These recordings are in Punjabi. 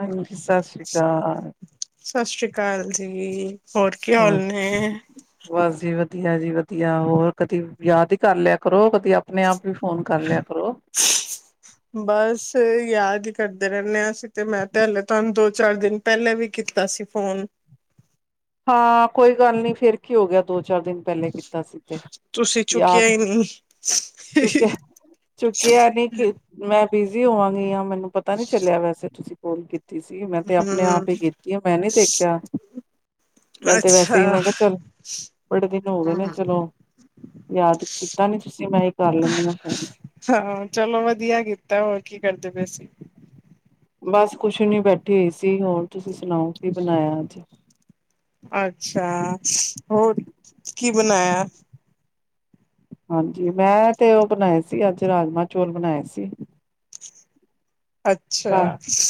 ਹਾਂਜੀ ਸਤਿ ਸ੍ਰੀ ਅਕਾਲ। ਸਤਿ ਸ਼੍ਰੀ ਅਕਾਲ ਜੀ, ਹੋਰ ਕੀ ਹਾਲ ਨੇ। ਬਸ ਜੀ ਵਧੀਆ ਜੀ ਵਧੀਆ ਹੋਰ ਕਦੀ ਯਾਦ ਹੀ ਕਰ ਲਿਆ ਕਰੋ ਕਦੀ ਆਪਣੇ ਆਪ। ਵੀ ਫੋਨ ਕਰ ਲਿਆ ਪ੍ਰੋ। ਬਸ ਯਾਦ ਹੀ ਕਰਦੇ ਰਹਿੰਦੇ ਹਾਂ ਅਸੀਂ ਤੇ ਮੈਂ ਤੇ ਹਲੇ ਤੁਹਾਨੂੰ ਦੋ ਚਾਰ ਦਿਨ ਪਹਿਲਾਂ ਵੀ ਕੀਤਾ ਸੀ ਫੋਨ। ਹਾਂ ਕੋਈ ਗੱਲ ਨੀ, ਫੇਰ ਕੀ ਹੋ ਗਿਆ। ਦੋ -ਚਾਰ ਦਿਨ ਪਹਿਲੇ ਕੀਤਾ ਸੀ। ਤੇ ਤੁਸੀਂ ਚੁੱਕਿਆ ਯਾਦ, ਹੀ ਨਹੀਂ। ਚੁੱਕਿਆ, ਚੁੱਕਿਆ ਨੀ ਕਿ ਮੈਂ ਬਿਜ਼ੀ ਹੋਵਾਂਗੀ ਹਾਂ। ਮੈਨੂੰ ਪਤਾ ਨੀ ਚੱਲਿਆ ਵੈਸੇ, ਤੁਸੀਂ ਕੋਲ ਕੀ ਕੀਤੀ ਸੀ। ਮੈਂ ਤੇ ਆਪਣੇ ਹਮ ਆਪ ਹੀ ਕੀਤੀ ਐ। ਮੈਂ ਨੀ ਦੇਖਿਆ। ਮੈਂ ਤੇ ਵੈਸੇ ਹੀ ਅੱਛਾ ਮੈਂ ਕਿਹਾ ਚੱਲ, ਬੜੇ ਦਿਨ ਹੋ ਗਏ ਨੇ ਚਲੋ ਯਾਦ ਕੀਤਾ ਨੀ ਤੁਸੀਂ, ਮੈਂ ਇਹ ਕਰ ਲੈਂਦੀ ਹ ਫੋਨ। ਹਾਂ। ਚਲੋ ਵਧੀਆ ਕੀਤਾ, ਹੋਰ ਕੀ ਕਰਦੇ ਪਏ ਸੀਂ। ਬਸ ਕੁਛ ਨੀ ਬੈਠੀ ਹੋਈ ਸੀ। ਹੋਰ ਤੁਸੀਂ ਸੁਣਾਓ, ਕੀ ਬਣਾਇਆ ਅੱਜ। ਅੱਛਾ, ਹੋਰ ਕੀ ਬਣਾਇਆ। ਹਾਂਜੀ। ਮੈਂ ਤੇ ਉਹ ਬਣਾਏ ਸੀ, ਅੱਜ ਰਾਜਮਾਂ ਚੋਲ ਬਣਾਏ ਸੀ। ਆਹ, ਅੱਛਾ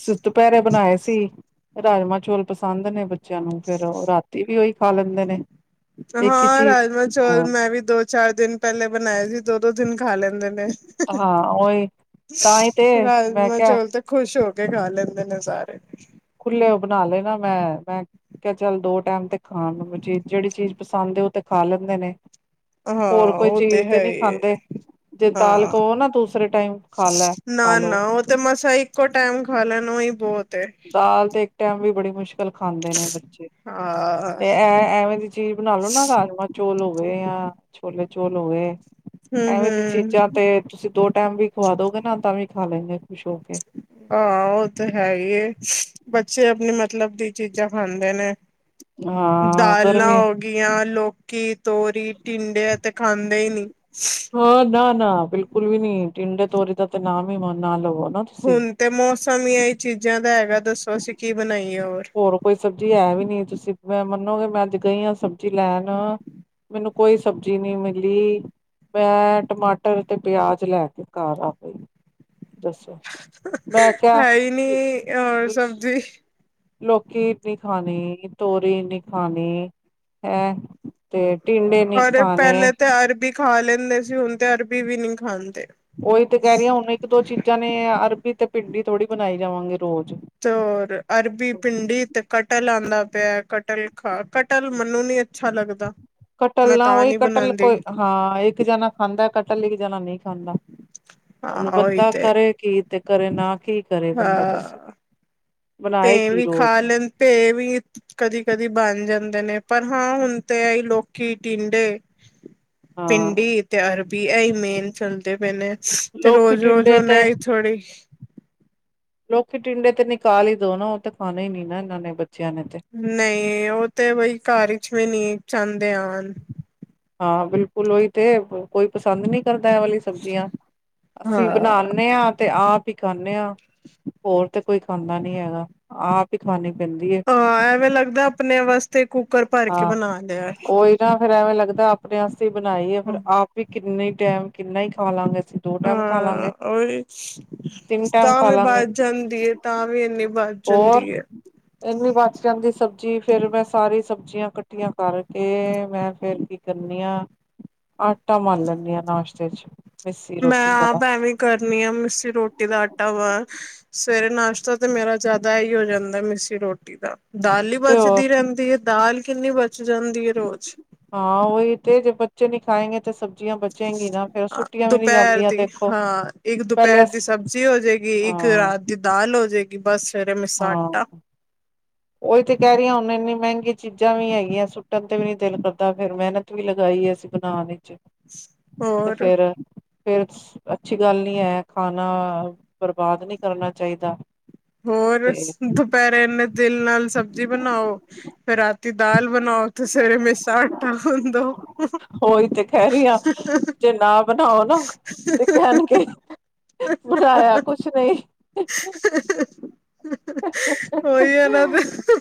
ਸੂਤ-ਦੁਪਿਹਰੇ ਬਣਾਏ ਸੀ। ਰਾਜਮਾਂ ਚੌਲ ਪਸੰਦ ਨੇ ਬੱਚਿਆਂ ਨੂੰ, ਫੇਰ ਉਹ ਰਾਤੀ ਵੀ ਉਹੀ ਖਾ ਲੈਂਦੇ ਨੇ। ਇੱਕ ਹੀ ਹਾਂ। ਚੀਜ਼ ਰਾਜਮਾਂ ਚੌਲ ਹਾਂ ਮੈਂ ਵੀ ਦੋ- ਚਾਰ ਦਿਨ ਪਹਿਲੇ ਬਣਾਏ ਸੀ। ਦੋ- ਦੋ ਦਿਨ ਖਾ ਲੈਂਦੇ ਨੇ, ਹਾਂ ਉਹੀ ਤਾਂ ਹੀ ਤੇ ਮੈਂ ਰਾਜਮਾਂ ਕਿਹਾ ਚੋਲ ਤੇ ਖੁਸ਼ ਹੋ ਕੇ ਖਾ ਲੈਂਦੇ ਨੇ ਸਾਰੇ। ਖੁੱਲੇ ਉਹ ਬਣਾ ਲੈ ਨਾ ਮੈਂ, ਮੈਂ ਕ ਚੱਲ ਦੋ ਟਾਈਮ ਤੇ ਖਾਣ ਨੂੰ ਬੱਚੇ, ਜਿਹੜੀ ਚੀਜ਼ ਪਸੰਦ ਹੈ ਉਹ ਤੇ ਖਾ ਲੈਂਦੇ ਨੇ। ਹਾਂ ਹੋਰ ਕੋਈ ਉਹ ਚੀਜ਼ ਤੇ ਹੈ ਨਹੀਂ ਹੀ ਹੈ ਖਾਂਦੇ। ਜੇ ਦਾਲ ਹਾਂ ਕੋ ਨਾ ਦੂਸਰੇ ਟਾਈਮ ਖਾ ਲੈ। ਨਾ ਖਾ ਲੋ ਨਾ। ਉਹ ਤੇ ਮਸਾ ਇੱਕੋ ਟਾਈਮ ਖ ਲੈਣ ਉਹ ਹੀ ਬਹੁਤ ਐ। ਦਾਲ ਤੇ ਇੱਕ ਟਾਈਮ ਵੀ ਬੜੀ ਮੁਸ਼ਕਿਲ ਨਾ ਲ ਖਾਂਦੇ ਨੇ ਬੱਚੇ, ਹਾਂ ਤੇ ਐ -ਐਵੇਂ ਦੀ ਚੀਜ਼ ਬਣਾ ਲੋ ਨਾ ਰਾਜਮ ਚੋਲ ਹੋ ਗਿਆ ਜਾਂ ਛੋਲੇ ਚੋਲ ਹੋ ਗੇ, ਹੂੰ ਐਵੇਂ ਦੀ ਚੀਜ਼ਾਂ ਹੂੰ ਤੇ ਤੁਸੀਂ ਦੋ ਟਾਈਮ ਵੀ ਖਵਾਦੋ ਗੇ ਨਾ। ਤਾਂ ਵੀ ਖਾ ਲੈਂਦੇ ਖੁਸ਼ ਹੋ ਕੇ। ਹਾਂ। ਉਹ ਤੇ ਹੈ ਹੀ ਹੈ, ਬੱਚੇ ਆਪਣੇ ਮਤਲਬ ਦੀ ਚੀਜ਼ਾਂ ਖਾਂਦੇ ਨੇ। ਹਾਂ ਦਾਲਾਂ ਗਰਮੀ ਹੋ ਗੀਆਂ। ਲੋਕੀ, ਤੋਰੀ, ਟਿੰਡੇ ਤੇ ਖਾਂਦੇ ਹੀ ਨੀ। ਹਾਂ। ਨਾ-ਨਾ ਬਿਲਕੁਲ ਵੀ ਨੀ, ਟਿੰਡੇ, ਤੋਰੀ ਦਾ ਤੇ ਨਾਮ ਹੀ ਮ ਨਾ ਲਵੋ ਨਾ। ਤੁਸੀਂ। ਹੁਣ ਤੇ ਮੌਸਮ ਹੀ ਇਹ ਚੀਜ਼ਾਂ ਦਾ ਹੈਗਾ ਦੱਸੋ। ਅਸੀਂ ਕੀ ਬਣਾਈਏ ਹੋਰ। ਹੋਰ ਕੋਈ ਸਬਜ਼ੀ ਹੈ ਵੀ ਨੀ, ਤੁਸੀਂ ਮੈਂ ਮੰਨੋਗੇ, ਮੈਂ ਅੱਜ ਗਈ ਹਾਂ ਸਬਜ਼ੀ ਲੈਣ। ਮੈਨੂੰ ਕੋਈ ਸਬਜ਼ੀ ਨਹੀਂ ਮਿਲੀ। ਮੈਂ ਟਮਾਟਰ ਤੇ ਪਿਆਜ ਲੈ ਕੇ ਘਰ ਆ ਗਈ ਦੱਸੋ। ਮੈਂ ਹੈ। ਹੀ ਨੀ ਕਿਹਾ ਹੋਰ ਸਬਜ਼ੀ। ਲੋਕੀ ਨੀ ਖਾਣੀ, ਤੋਰੀ ਨੀ ਖਾਣੀ ਹੈਂ। ਤੇ ਟਿੰਂਡੇ ਨੀ ਔਰ ਖਾਣੇ। ਪਹਿਲੇ ਤੇ ਅਰਬੀ ਖਾ ਲੈਂਦੇ ਸੀ। ਹੁਣ ਤੇ ਅਰਬੀ ਵੀ ਨੀ ਖਾਂਦੇ। ਉਹੀ ਤੇ ਕਹਿ ਰਹੀਆਂ। ਹੁਣ ਇੱਕ- ਦੋ ਚੀਜ਼ਾਂ ਨੇ, ਅਰਬੀ ਤੇ ਭਿੰਡੀ ਥੋੜ੍ਹੀ ਬਣਾਈ ਜਾਵਾਂਗੇ ਰੋਜ਼। ਤੇ ਅਰਬੀ, ਭਿੰਡੀ ਤੇ ਕਟਲ ਆਉਂਦਾ ਪਿਆ। ਕਟਲ ਖਾ ਕਟਲ ਮਨੂੰ ਨੀ ਅੱਛਾ ਲੱਗਦਾ। ਕਟਲ ਮੈਂ ਨਾ ਤਾਂ ਉਹੀ ਨਹੀਂ ਕਟਲ ਬਣਾਉਂਦੀ ਕੋਈ ਹਾਂ। ਇੱਕ ਜਾਣਾ ਖਾਂਦਾ ਕਟਲ, ਇੱਕ ਜਾਣਾ ਨਹੀਂ ਖਾਂਦਾ। ਹਾਂ ਉਹਨੂੰ ਉਹੀ ਬੰਦਾ ਤੇ ਕਰੇ ਕੀ ਤੇ ਘਰੇ ਨਾ ਕੀ। ਕਰੇ ਬੰਦਾ ਦੱਸੋ ਹਾਂ। ਤੇ ਬਣਾਏ ਭੈ ਕੀ ਵੀ ਖਾ ਰੋਜ਼ ਲੈਣ ਦੇ ਤੇ ਭੈ ਵੀ ਕਦੀ- ਕਦੀ ਬਣ ਜਾਂਦੇ ਨੇ, ਪਰ ਹਾਂ ਹੁਣ ਤੇ ਆਈ ਲੋਕੀ ਟਿੰਡੇ ਹਾਂ ਭਿੰਡੀ ਤੇ ਅਰਬੀ ਮੇਨ ਚੱਲਦੇ ਪਏ ਨੇ। ਤੇ ਲੋਕੀ ਰੋਜ਼- ਰੋਜ਼ ਟਿੰਡੇ ਤੇ ਉਹਨਾਈ ਥੋੜ੍ਹੀ ਲੋਕੀ, ਟਿੰਡੇ ਤੇ ਨਿਕਾਲ ਹੀ ਦੋ ਨਾ। ਉਹ ਤਾਂ ਖਾਣੇ ਹੀ ਨੀ ਨਾ ਇਹਨਾਂ ਨੇ ਬੱਚਿਆਂ ਨੇ ਤੇ ਨਹੀਂ, ਉਹ ਤੇ ਬਈ ਘਰ ਵਿਚ ਵੀ ਨੀ ਚਾਹਦੇ ਆਣ। ਹਾਂ, ਬਿਲਕੁਲ ਉਹੀ ਤੇ, ਕੋਈ ਪਸੰਦ ਨਹੀਂ ਕਰਦਾ ਏ ਵਾਲੀ ਸਬਜ਼ੀਆਂ, ਅਸੀਂ ਹਾਂ। ਬਣਾਦੇ ਆ ਤੇ, ਆਪ ਹੀ ਖਾਂਨੇ ਆ, ਹੋਰ ਤੇ ਕੋਈ ਖਾਂਦਾ ਨੀ ਹੈਗਾ, ਆਪ ਹੀ ਖਾਣੀ ਪੈਂਦੀ ਹਾਂ ਐਵੇਂ ਲੱਗਦਾ, ਆਪਣੇ ਵਾਸਤੇ ਕੁੱਕਰ ਭਰ ਕੇ ਬਣਾ ਲਿਆ ਫਿਰ ਐਵੇਂ ਲੱਗਦਾ, ਆਪਣੇ ਵਸਤੇ ਹੀ ਬਣਾਈ ਏ, ਫਿਰ ਹੂੰ। ਆਪ ਹੀ ਕਿੰਨੇ ਟੈਮ, ਕਿੰਨਾ ਹੀ ਖਾ ਲਾਂਗੇ ਅਸੀਂ [inaudible] ਹਾਂ ਤਿੰਨ ਟਾਈਮ ਤਾਂ ਖਾ ਵੀ, ਲਾਂਗੇ ਬਚ ਜਾਂਦੀ ਏ, ਤਾਂ ਵੀ ਇਨੀ ਬਚ ਹੋਰ ਜਾਂਦੀ ਏ ਇੰਨੀ, ਬਚ ਜਾਂਦੀ ਸਬਜ਼ੀ ਫਿਰ ਮੈਂ ਸਾਰੀ ਸਬਜ਼ੀਆਂ, ਇਕੱਠੀਆਂ ਕਰਕੇ ਮੈਂ ਫੇਰ ਕੀ ਕਰਨੀ ਆ ਆਟਾ, ਮੱਲ ਲੈਂਣੀ ਆ ਨਾਸ਼ਤੇ ਚ ਮਿੱਸੀ ਮੈਂ, ਰੋਟੀ ਵਾਲਾ ਆਪ ਐਵੇਂ ਕਰਨੀ ਆ, ਮਿਸੀ ਰੋਟੀ ਦਾ ਆਟਾ ਵਾ ਸਵੇਰੇ ਨਾਸ਼ਤਾ ਤੇ, ਮੇਰਾ ਜ਼ਿਆਦਾ ਹੀ ਹੋ ਜਾਂਦਾ ਮਿੱਸੀ ਰੋਟੀ ਦਾ। ਦਾਲ, ਵੀ ਤੇ ਹੋਰ ਬੱਚਦੀ ਰਹਿਦੀ ਏ, ਦਾਲ ਕਿੰਨੀ ਬਚ ਜਾਂਦੀ ਹੈ ਰੋਜ਼ ਹਾਂ, ਉਹਹੀ ਤੇੇ ਜੇ ਬੱਚੇ ਨਈ, ਖਾਏਂਗੇ ਤੇ ਸਭ ਦੁਪਹਿਰ ਦੀ, ਦੇਖੋ ਹਾਂ ਇੱਕ ਪਹਿਲੇ ਦੁਪਹਿਰ ਦੀ ਅਸ ਸਬਜ਼ੀ ਹੋ ਜਾਏਗੀ ਇੱਕ ਹਾਂ ਰਾਤ ਦੀ, ਦਾਲ ਹੋ ਜਾਏਗੀ ਬਸ, ਸਵੇਰੇ ਮਿਸਾ ਹਾਂ ਆਟਾ ਉਹੀ ਤੇ ਕਹਿ ਰਹੀਆਂ,, ਹੁਣ ਇੰਨੀ ਮਹਿੰਗੀ ਚੀਜ਼ਾਂ ਵੀ ਹੈਗੀਆਂ, ਸੁੱਟਣ ਤੇ ਵੀ ਨੀ ਦਿਲ ਕਰਦਾ, ਫਿਰ ਮਿਹਨਤ ਪੂਰੀ ਲਗਾਈ ਏ, ਅਸੀਂ ਬਣਾਉਣ ਵਿੱਚ ਤੇ ਹੋਰ ਫੇਰ ਫਿਰ, ਅੱਛੀ ਗੱਲ ਨੀ ਹੈ, ਖਾਣਾ ਬਰਬਾਦ ਨਹੀਂ ਕਰਨਾ ਚਾਹੀਦਾ। ਹੋਰ, ਤੇ ਉਸ ਦੁਪਹਿਰੇ ਇਨੇ? ਦਿਲ ਨਾਲ ਸਬਜ਼ੀ ਬਣਾਓ, ਫਿਰ ਰਾਤੀ ਦਾਲ ਬਣਾਓ, ਤੇ ਸਵੇਰੇ ਮਿਸਾ ਆਟਾ ਗੁਣ ਦੌ ਤੁ [unintelligible] [inaudible] ਉਹੀ, ਤੇ ਕਹਿ ਰਹੀ ਹਾਂ, ਜੇ ਨਾ ਬਣਾਓ ਨਾ ਤੇ ਕਹਿਣਗੇ ਬਣਾਇਆ, ਕੁਛ ਨਹੀਂ। ਹ [unintelligible] [unintelligible] ਉਹੀ ਹੈ ਨਾ, ਤੇ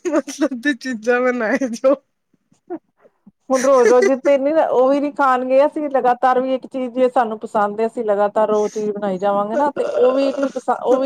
ਮਤਲਬ ਚੀਜ਼ਾਂ ਬਣਾਈ ਜਾਓ। ਹੁਣ, ਰੋਜ਼- ਰੋਜ਼ ਤੇ ਨਹੀਂ, ਉਹ ਵੀ ਨੀ ਖਾਣਗੇ, ਅਸੀਂ ਲਗਾਤਾਰ ਵੀ ਇੱਕ ਚੀਜ਼ ਸਾਨੂੰ ਪਸੰਦ ਹੈ ਅਸੀਂ ਲਗਾ ਤਾਂ ਰੋਜ ਚੀਜ਼ ਬਣਾਈ ਜਾਵਾਂਗੇ ਨਾ, ਤੇ ਉਹ ਵੀ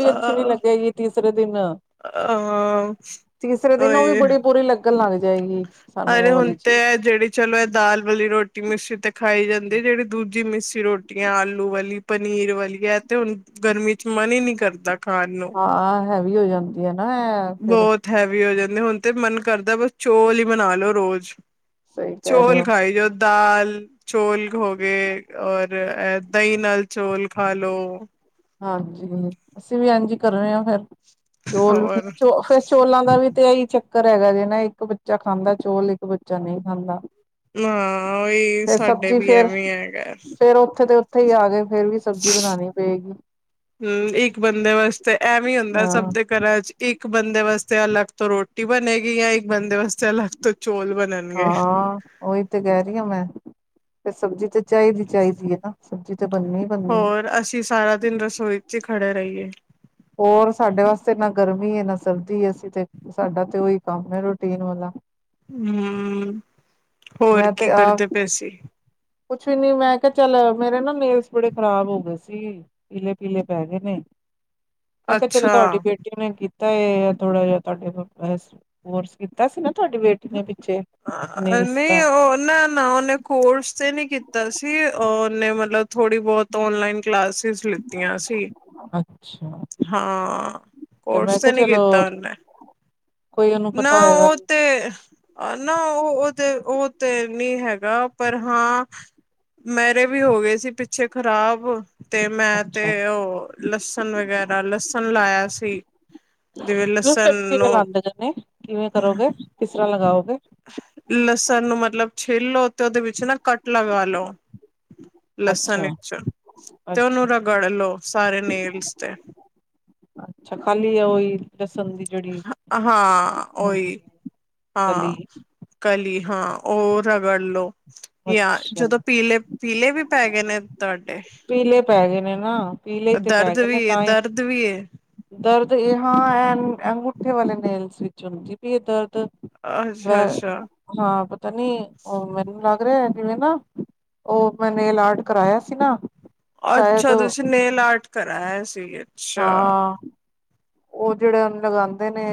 ਨਈ ਅੱਛੀ ਲੱਗੇਗੀ ਤੀਸਰੇ ਦਿਨ ਆ ਤੀਸਰੇ ਦਿਨ, ਉਹ ਵੀ ਉਹੀ ਬੜੀ ਬੁਰੀ ਲੱਗਣ ਲੱਗ ਜਾਏਗੀ ਸਾਨੂੰ ਅਰੇ, ਉਹ ਹੁਣ ਵਾਲੀ ਤੇ ਚੀਜ਼ ਹੈ ਜਿਹੜੇ ਚਲੋ, ਇਹ ਦਾਲ ਵਾਲੀ ਰੋਟੀ ਮਿੱਸੀ ਤੇ ਖਾਈ ਜਾਂਦੀ, ਜਿਹੜੀ ਦੂਜੀ ਮਿੱਸੀ ਰੋਟੀ ਆ ਆਲੂ ਵਾਲੀ ਪਨੀਰ ਵਾਲੀ, ਤੇ ਹੁਣ ਗਰਮੀ ਚ ਮਨ ਹੀ ਨਹੀਂ ਕਰਦਾ ਖਾਣ ਨੂੰ। ਹਾਂ, ਹੈਵੀ ਹੋ ਜਾਂਦੀ ਹੈ ਨਾ ਇਹ ਫਿਰ ਬਹੁਤ, ਹੈਵੀ ਹੋ ਜਾਂਦੀ, ਹੁਣ ਤੇ ਮਨ ਕਰਦਾ ਬਸ ਚੋਲ ਹੀ ਮਨਾ ਲੋ ਰੋਜ਼ ਸਹੀ ਕਹਿ ਰਹੇ ਚੋਲ, ਹੋ ਖਾਈ ਜਾਉ ਦਾਲ, ਚੋਲ, ਹੋਗੇ, ਔਰ ਦਹੀਂ ਨਾਲ ਚੋਲ ਖਾ ਲੋੋ। ਹਾਂਜੀ, ਅਸੀਂ ਵੀ ਇਂਜੀ ਕਰ ਰਹੇ ਹਾਂ, ਫੇਰ ਚੋਲ ਵੀ ਹੋਰ ਫ ਚੋਲਾਂ, ਦਾ ਵੀ ਤੇ ਇਹੀ ਚੱਕਰ ਹੈਗਾ ਜੇ ਨਾ, ਇੱਕ ਬੱਚਾ ਖਾਂਦਾ ਚੋਲ, ਇੱਕ ਬੱਚਾ ਨਹੀਂ ਖਾਂਦਾ ਹਾਂ ਉਹੀ ਫੇਰ ਸਾਡੇ ਸਬਜ਼ੀ ਵੀ ਫੇਰ- ਐਵੇਂ ਹੈਗਾ ਫੇਰ ਉੱਥੇ ਦੇ ਉੱਥੇ ਹੀ ਆ ਕੇ, ਫੇਰ ਵੀ ਸਬਜ਼ੀ ਬਣਾਉਣੀ ਪਏਗੀ। ਹਮ ਇੱਕ ਬੰਦੇ ਵਾਸਤੇ, ਐਵੇ ਹੀ ਹੁੰਦਾ ਸਭ ਹਾਂ ਦੇ। ਘਰਾਂ ਚ, ਇੱਕ ਬੰਦੇ ਵਾਸਤੇ ਅਲੱਗ ਤੋਂ ਰੋਟੀ ਬਣੇਗੀ, ਜਾਂ ਇੱਕ ਬੰਦੇ ਵਾਸਤੇ ਅਲੱਗ ਤੋਂ ਚੋਲ, ਬਣਣ ਹਾਂ, ਉਹੀ ਤੇ ਕਹਿ ਰਹੀ ਹਾਂ ਮੈਂ, ਫਿਰ ਸਬਜ਼ੀ ਤੇ ਚਾਹੀਦੀ- ਚਾਹੀਦੀ ਹੈ ਨਾ ਸਬਜ਼ੀ। ਤੇ ਬੰਨੀ ਹੋਰ, ਅਸੀਂ ਸਾਰਾ ਦਿਨ, ਰਸੋਈ ਚ ਹੀ ਖੜੇ ਰਹੀਏ। ਹੋਰ ਸਾਡੇ ਵਾਸਤੇ, ਨਾ ਗਰਮੀ ਹੈ ਨਾ ਸਰਦੀ ਏ ਤੇ ਸਾਡਾ ਤੇ ਉਹੀ ਕੰਮ ਹੈ ਰੂਟੀਨ ਵਾਲਾ। ਹਮ ਮੈਂ ਤੇ ਆਪ ਸੀ ਕੁਛ ਵੀ ਨਈ, ਮੈਂ ਕਿਹਾ ਚੱਲ ਮੇਰੇ ਨਾ ਨੇੇਲਸ, ਬੜੇ ਖ਼ਰਾਬ ਹੋ ਗਏ ਸੀ। ਪੀਲੇ ਪੀਲੇ ਪੈ ਗਏ ਨੇ ਮੈਂ ਕਿਹਾ ਚਲੋ ਤੁਹਾਡੀ ਅੱਛਾ ਬੇਟੀ ਨੇ ਤਾਂ ਇਹ ਥੋੜਾ ਜਿਹਾ ਤੁਹਾਡੇ ਕੋਰਸ ਕੀਤਾ ਸੀ ਨਾ ਤੁਹਾਡੀ ਵੇਟ। ਕਿਨੇ ਪਿੱਛੇ ਨੇਲਸ ਦਾ ਨਹੀਂ ਉਹ ਨਾ ਨਾ ਉਹਨੇ ਕੋਰਸ ਤੇ ਨੀ ਕੀਤਾ ਸੀ ਉਹਨੇ ਮਤਲਬ ਥੋੜ੍ਹੀ। ਬਹੁਤ ਆਨਲਾਈਨ ਕਲਾਸਿਸ ਲਿੱਤੀਆਂ ਸੀ। ਅੱਛਾ ਹਾਂ ਮੈਂ ਕੋਰਸ ਤੇ ਕਿਹਾ ਨਹੀਂ ਕੀਤਾ ਚਲੋ ਉਹਨੇ। ਕੋਈ ਉਹਨੂੰ ਨਾ ਪਤਾ ਹੋਏਗਾ ਉਹ ਤੇ ਨਾ ਉਹ ਉਹ ਤੇ ਉਹ ਤੇ ਨੀ ਹੈਗਾ ਪਰ ਹਾਂ। ਮੇਰੇ ਵੀ ਹੋ ਗਏ ਸੀ ਪਿੱਛੇ ਖ਼ਰਾਬ। ਤੇ ਮੈਂ ਤੇ ਅੱਛਾ ਉਹ ਲਸਣ ਵਗੈਰਾ ਲਸਣ ਲਾਇਆ ਸੀ। ਜਿਵੇਂ ਲੂ ਲਸਣ ਸੈਟ ਕਿਵੇਂ ਨੂੰ ਲਾਉਂਦੇ ਨੇ ਕਿਵੇਂ ਕਰੋਗੇ ਕਿਸ ਤਰ੍ਹਾਂ ਲਗਾਓਗੇ। ਲਸਣ ਨੂੰ ਮਤਲਬ ਛਿਲ ਲੋ ਤੇ ਉਹਦੇ ਵਿੱਚ ਨਾ ਕੱਟ ਲਗਾ ਲਓ। ਲਸਣ ਅੱਛਾ ਵਿੱਚ ਤੇ ਅੱਛਾ ਉਹਨੂੰ ਰਗੜ ਲਓ ਸਾਰੇ ਨੇਲਸ ਤੇ। ਅੱਛਾ ਖਾਲੀ ਆ ਉਹੀ ਲਸਣ ਦੀ ਜਿਹੜੀ ਹਾਂ ਓਈ ਹਾਂਜੀ ਕਲੀ ਹਾਂ ਕਲੀ ਹਾਂ ਉਹ ਰਗੜ ਲਓ ਜਾਂ ਅੱਛਾ ਜਦੋਂ ਪੀਲੇ ਪੀਲੇ ਵੀ ਪੈ ਗਏ ਨੇ ਤੁਹਾਡੇ ਪੀਲੇ ਪੈ ਗਏ ਨੇ ਨਾ ਪੀਲੇ ਤੇ ਪੈ ਦਰਦ ਗਏ ਨੇ ਵੀ ਏ ਤਾਂ ਹੀ। ਦਰਦ ਵੀ ਹੈ ਦਰਦ ਇਹ ਹਾਂ ਐ ਐ ਅੰਗੂਠੇ ਵਾਲੇ ਨੇਲਸ ਵਿੱਚ ਹੁੰਦੀ ਪਈ ਦਰਦ। ਵੈ ਅੱਛਾ ਅੱਛਾ। ਹਾਂ ਪਤਾ ਨੀ ਉਹ ਮੈਨੂੰ ਲੱਗ ਰਿਹਾ ਜਿਵੇਂ ਨਾ। ਉਹ ਮੈਂ ਨੇਲ ਆਰਟ ਕਰਾਇਆ ਸੀ ਨਾ। ਸ਼ਾਇਦ ਅੱਛਾ ਤੁਸੀਂ ਨੇਲ ਆਰਟ ਕਰਾਏ ਸੀਗੇ। ਹਾਂ ਉਹ ਜਿਹੜੇ ਹੁਣ ਲਗਾਉਂਦੇ ਨੇ।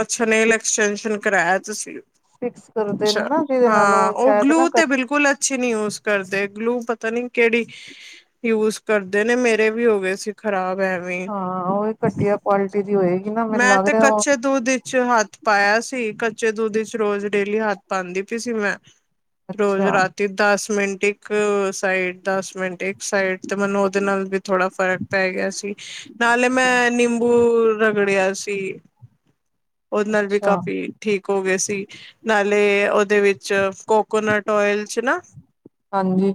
ਅੱਛਾ ਨੇਲ ਫਿਕਸ ਐਕਸਟੈਂਸ਼ਨ ਕਰਾਇਆ ਤੁਸੀਂ। ਫਿਕਸ ਕਰਦੇ ਅੱਛਾ ਨੇ ਨਾ ਜਿਹਦੇ ਨਾਲ ਹਾਂ ਉਹ ਓ ਸ਼ਾਇਦ ਨਾ ਗਲੂ ਤੇ ਘੱਟ ਬਿਲਕੁਲ ਸੀ ਨੀ ਯੂਜ ਕਰਦੇ ਗਲੂ ਪਤਾ ਨੀ ਕਿਹੜੀ ਯੂਜ ਕਰਦੇ ਨੇ ਮੇਰੇ ਵੀ ਹੋ ਗਏ ਸੀ। ਖਰਾਬ ਐਵੇਂ ਹਾਂ ਉਹ ਘਟੀਆ ਕੁਆਲਿਟੀ ਦੀ ਹੋਏ ਮੈਂ ਤੇ ਕੱਚੇ ਦੂੱਧ ਵਿੱਚ ਹੱਥ ਪਾਇਆ ਸੀ ਕੱਚੇ ਦੁੱਧ ਵਿੱਚ ਚ ਰੋਜ਼ ਡੇਲੀ ਹੱਥ ਪਾਉਂਦੀ ਪਈ ਸੀ ਮੈਂ ਰੋਜ਼ ਅੱਛਾ ਰਾਤ। ਤੇ ਦਸ ਮਿੰਟ ਇੱਕ ਸਾਈਡ ਦਸ ਮਿੰਟ ਇੱਕ ਸਾਈਡ ਤੇ ਮੈਨੂੰ ਉਹਦੇ ਨਾਲ। ਥੋੜਾ ਫਰਕ ਪੈ ਗਿਆ ਸੀ। ਨਾਲੇ ਅੱਛਾ ਮੈਂ ਨਿੰਬੂ ਰਗੜਿਆ ਸੀ। ਉਹਦੇ ਨਾਲ ਵੀ ਅੱਛਾ ਕਾਫੀ ਠੀਕ ਹੋ ਗਏ ਸੀ ਨਾਲੇ ਉਹਦੇ ਵਿੱਚ ਕੋਕੋਨਟ ਆਇਲ ਚ ਨਾ। ਹਾਂਜੀ।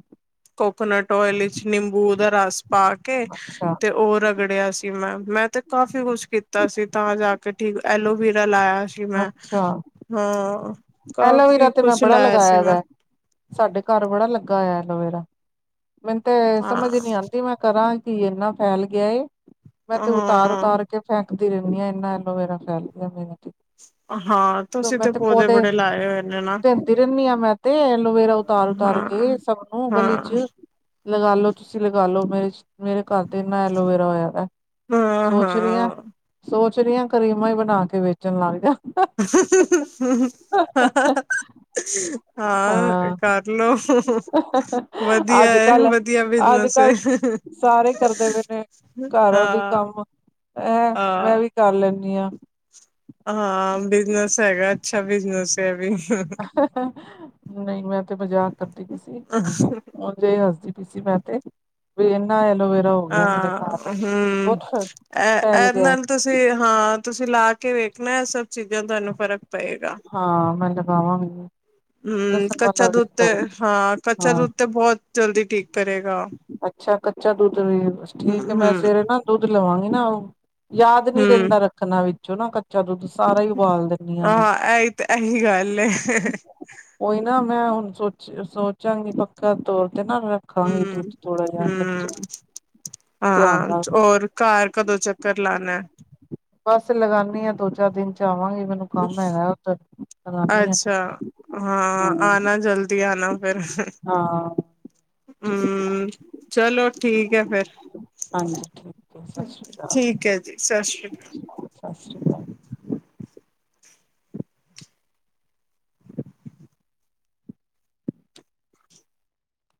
ਕੋਕੋਨਟ ਆਇਲ ਵਿੱਚ ਨਿੰਬੂ ਉਹਦਾ ਰਸ ਪਾ ਕੇ ਅੱਛਾ ਤੇ ਉ ਰ ਰਗੜਿਆ ਸੀ ਮੈਂ ਮੈਂ ਤੇ ਕਾਫੀ ਕੁਛ ਕੀਤਾ ਸੀ ਤਾਂ ਜਾ ਕੇ ਠੀਕ ਐਲੋਵਰਾ ਲਾਇਆ ਸੀ। ਕਿ ਮੈਂ ਅੱਛਾ ਹਾਂ ਐਲੋਵੇਰਾ ਕਾਫੀ ਤੇ ਮੈਂ ਕੁਛ ਬੜਾ ਲਾਇਆ ਸੀ ਲਗਾਇਆ ਮੈਂ ਦਾ। ਸਾਡੇ ਘਰ ਬੜਾ ਲੱਗਾ ਹੋਇਆ ਐਲੋਵੇਰਾ ਮੈਨੂੰ ਤੇ ਹਾਂ ਸਮਝ ਨੀ ਆਉਂਦੀ ਮੈਂ ਕਰਾਂ। ਕੀ ਏਨਾ ਫੈਲ ਗਿਆ ਏ ਮੈਂ ਤੇ ਉਤਾਰ ਹਾਂ ਉਤਾਰ ਤੇ ਫੈਕਦੀ ਰਹਿੰਦੀ ਆ ਇੰਨਾ ਐਲੋਵੇਰਾ ਫੈਲ ਗਿਆ ਮੇਰਾ ਤਾ। ਹਾਂ ਤੁਸੀਂ ਤੇ ਪੌਦੇ ਬੜੇ ਲਾਏ ਹੋਏ ਨੇ ਨਾ। ਦਿੰਦੀ ਰਹਿੰਦੀ ਹਾਂ ਮੈਂ ਤੇ ਐਲੋਵੇਰਾ ਉਤਾਰ ਉਤਾਰ ਹਾਂ। ਕੇ ਸਭ ਨੂੰ ਗਲੀ ਹਾਂ ਚ। ਲਗਾਲੋ ਤੁਸੀਂ ਲਗਾਲੋ ਮਿਰਚ। ਮੇਰੇ ਘਰ ਤੇ ਏਨਾ ਐਲੋਵੇਰਾ ਹੋਇਆ ਵਾ ਸੋਚ ਰਹੀ ਹਾਂ। ਸੋਚ ਰਹੀ ਹਾਂ ਕਰੀਮਾਂ ਹੀ ਬਣਾ ਕੇ ਵੇਚਣ ਲੱਗ ਜਾ। [unintelligible] ਹਾਂ ਕਰਲੋ ਵਧੀਆ ਅੱਜ ਏ ਵਧ ਕੱਲ ਵਧੀਆ ਅੱਜ ਬਿਜਨਸ ਏ। ਕੱਲ ਸਾਰੇ ਕਰਦੇ ਪਏ ਨੇ ਘਰੋ ਦੀ ਹਾਂ ਕੰਮ ਏ ਮੈਂ ਹਾਂ। ਵੀ ਕਰ ਲੈਂਣੀ ਆ। ਹਾਂ ਬਿਜਨਸ ਹੈਗਾ ਅੱਛਾ ਬਿਜਨਸ ਇਹ ਵੀ। ਨਹੀਂ ਮੈਂ ਤੇ ਮਜ਼ਾਕ ਕਰਦੀ ਪਈ ਸੀ। ਉਂਝ ਹੀ ਹੱਸਦੀ ਪਈ ਸੀ ਮੈਂ ਤੇ ਵੀ ਇਨਾ ਐਲੋਵੇਰਾ ਹੋ ਗਿਆ ਮੇਰੇ ਘਰ ਹਮ। ਬਹੁਤ ਇਹ ਫੈਲ ਇਹਦੇ ਗਿਆ। ਨਾਲ ਤੁਸੀਂ ਹਾਂ ਤੁਸੀਂ ਲਾ ਕੇ ਵੇਖਣਾ ਸਭ ਚੀਜ਼ਾਂ ਤੁਹਾਨੂੰ ਫ਼ਰਕ। ਪਏਗਾ। ਹਾਂ ਮੈਂ ਲਗਾਵਾਂਗੀ। ਹਮ ਲਸਣ ਵਾਲਾ ਕੱਚਾ ਵੀ ਦੁੱਧ ਤੇ ਕਰ ਹਾਂ ਕੱਚਾ ਹਾਂ ਦੁੱਧ ਤੇ ਬਹੁਤ ਜਲਦੀ ਠੀਕ ਕਰੇਗਾ। ਅੱਛਾ ਕੱਚਾ ਦੁੱਧ ਵੀ ਬਸ ਠੀਕ ਏ ਹਮ ਮੈਂ ਹਮ ਸਵੇਰੇ ਨਾ ਦੁੱਧ ਲਵਾਂਗੀ ਨਾ ਉਹ ਯਾਦ ਨੀ ਹਮ ਰਹਿੰਦਾ ਰੱਖਣਾ ਵਿੱਚੋਂ ਨਾ ਕੱਚਾ ਦੁੱਧ ਸਾਰਾ ਹੀ ਉਬਾਲ ਦਿੰਣੀ ਆ। ਇਹੀ ਤੇ ਇਹੀ ਗੱਲ ਏ। ਉਹੀ ਨਾ ਮੈਂ ਹੁਣ ਸੋਚ ਸੋਚਾਂਗੀ ਪੱਕਾ ਤੋਰ ਤੇ ਨਾ ਰੱਖਾਂਗੀ ਦੁੱਧ ਥੋੜਾ ਜਿਹਾ ਹੂੰ-ਹੂੰ। ਕੱਚਾ ਧਿਆਨ ਹਾਂ ਨਾਲ ਚ ਹੋਰ ਘਰ ਕਦੋਂ ਚੱਕਰ ਲਾਣਾ? ਬਸ ਲਗਾਨੀ ਆ ਦੋ-ਚਾਰ ਦਿਨ ਚ ਆਵਾਂਗੇ ਮੈਨੂੰ ਕੰਮ ਹੈਗਾ ਉੱਧਰ ਅੱਛਾ ਹਾਂ ਹੂੰ ਆਨਾ ਜਲਦੀ ਆਨਾ ਫਿਰ ਹਾਂ ਹੂੰ ਚਲੋ ਠੀਕ ਹੈ ਫਿਰ ਹਾਂਜੀ ਠੀਕ ਹੈ ਸਤਿ ਸ਼੍ਰੀ ਅਕਾਲ ਠੀਕ ਹੈ ਸਤਿ ਸ਼੍ਰੀ ਸਤਿ ਸ਼੍ਰੀ ਅਕਾਲ